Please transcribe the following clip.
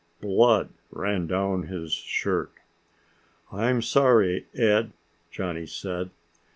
Blood ran down his shirt. "I'm sorry, Ed," Johnny said.